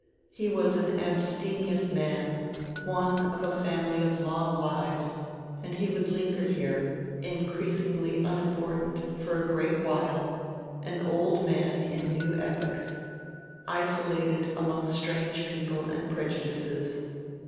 He was an abstemious man, one of a family of long lives, and he would linger here, increasingly unimportant, for a great while, an old man in new epochs, isolated among strange people and prejudices.